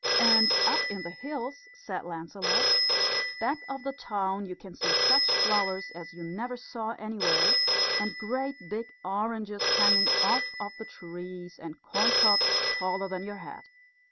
"And up in the hills," said Lancelot, "back of the town, you can see such flowers as you never saw anywhere, and great big oranges hanging off of the trees, and corn cobs taller than your head.